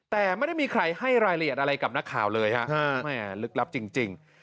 แต่ไม่ได้มีใครให้รายละเอียดอะไรกับนักข่าวเลยฮะแม่ลึกลับจริง